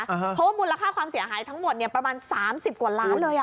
เพราะว่ามูลค่าความเสียหายทั้งหมดประมาณ๓๐กว่าล้านเลย